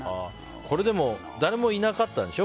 でも誰もいなかったんでしょ？